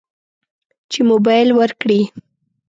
چې موبایل ورکړي.